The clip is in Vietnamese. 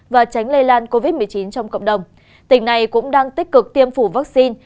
và tránh lây lan covid một mươi chín trong cộng đồng tỉnh này cũng đang tích cực tiêm phổi vaccine